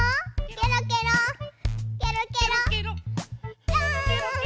ケロケロケロケロ。